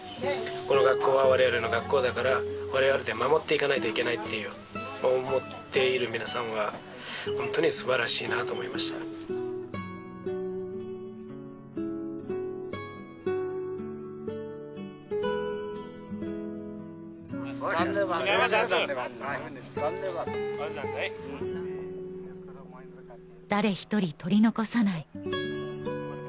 この学校はわれわれの学校だからわれわれで守っていかないといけないって思っている皆さんはホントにすばらしいなと思いました誰一人取り残さない親子は思いを一つにしています